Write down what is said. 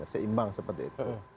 seimbang seperti itu